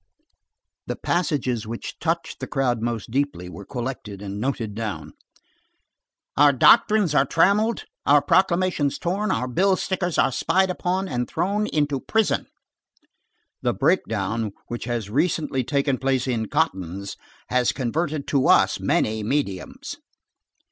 The passages which touched the crowd most deeply were collected and noted down. "—Our doctrines are trammelled, our proclamations torn, our bill stickers are spied upon and thrown into prison."—"The breakdown which has recently taken place in cottons has converted to us many mediums."